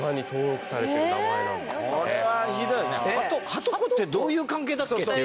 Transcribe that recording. はとこってどういう関係だっけ？